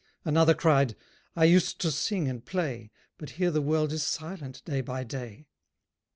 Another cried: "I used to sing and play, But here the world is silent, day by day."